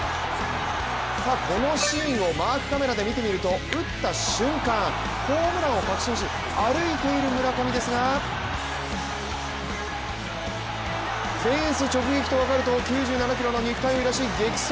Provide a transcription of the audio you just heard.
このシーンをマークカメラで見てみると、打った瞬間、ホームランを確信し歩いている村上ですがフェンス直撃と分かると９７ｋｇの肉体を揺らし、激走。